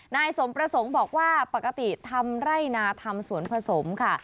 นายสมประสงค์บอกว่าปกติทำไร่นาทำสวนผสมค่ะ